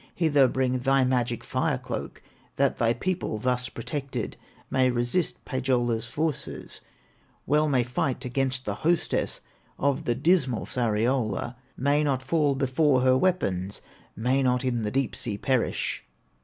Hither bring thy magic fire cloak, That thy people, thus protected, May resist Pohyola's forces, Well may fight against the hostess Of the dismal Sariola, May not fall before her weapons, May not in the deep sea perish!"